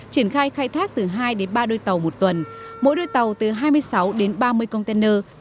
triển khai khai thác từ hai đến ba đôi tàu một tuần mỗi đôi tàu từ hai mươi sáu đến ba mươi container